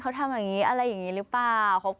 ถ้าถ่ายรูปกัน